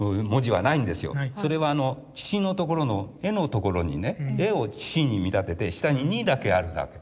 それはあの岸のところの絵のところにね絵を岸に見立てて下に「に」だけあるだけ。